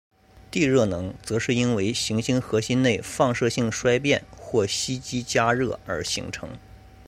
地热能则是因为行星核心内放射性衰变或吸积加热而形成。